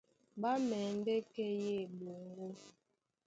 Ɓá mɛndɛ́ kɛ́ yé eɓoŋgó,